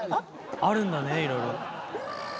あるんだねいろいろ。